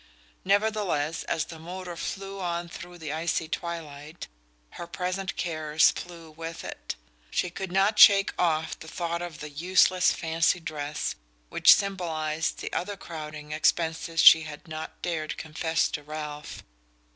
Nevertheless, as the motor flew on through the icy twilight, her present cares flew with it. She could not shake off the thought of the useless fancy dress which symbolized the other crowding expenses she had not dared confess to Ralph.